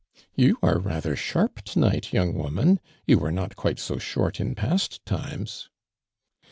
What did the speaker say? " You are rather sharp to night, young woman ! You were mot quite so short in past times."